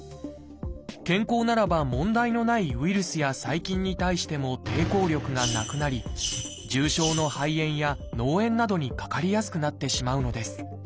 健康ならば問題のないウイルスや細菌に対しても抵抗力がなくなり重症の肺炎や脳炎などにかかりやすくなってしまうのです。